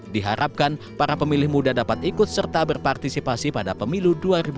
diharapkan para pemilih muda dapat ikut serta berpartisipasi pada pemilu dua ribu dua puluh